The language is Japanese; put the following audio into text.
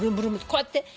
こうやって。